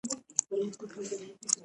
افغانستان په غزني باندې تکیه لري.